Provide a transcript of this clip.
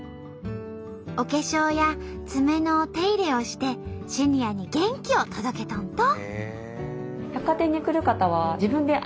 お化粧や爪のお手入れをしてシニアに元気を届けとんと！